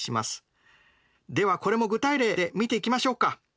ではこれも具体例で見ていきましょうか！